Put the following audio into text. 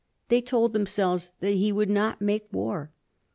They told themselves that he would not make war.